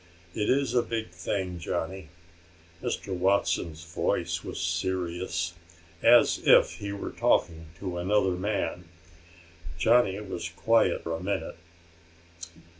It is a big thing, Johnny." Mr. Watson's voice was serious, as if he were talking to another man. Johnny was quiet a minute.